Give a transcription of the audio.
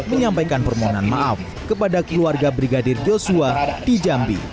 menyampaikan permohonan maaf kepada keluarga brigadir joshua di jambi